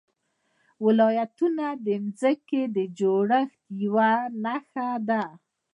ولایتونه د ځمکې د جوړښت یوه نښه ده.